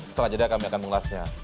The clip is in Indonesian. setelah jeda kami akan mengulasnya